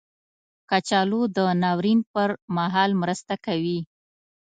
کچالو د ناورین پر مهال مرسته کوي